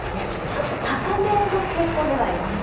ちょっと高めの傾向ではあります。